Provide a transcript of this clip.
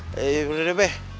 ya ya boleh be